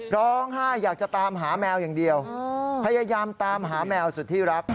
ร้องไห้อยากจะตามหาแมวอย่างเดียวพยายามตามหาแมวสุดที่รัก